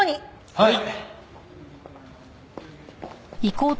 はい。